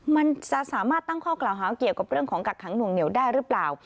มันจะสามารถตั้งข้อกล่าวหาเกี่ยวกับเรื่องของกักขังหน่วงเหนียวได้หรือเปล่า